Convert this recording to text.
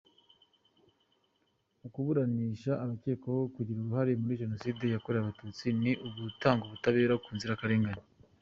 Ukuburanisha abakekwaho kugira uruhare muri Jenoside yakorewe Abatutsi ni ugutanga ubutabera ku nzirakarengane.